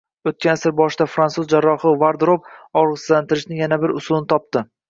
O‘tgan asr boshida frantsuz jarrohi Vardrop og‘riqsizlantirishning yana bir usulni topdi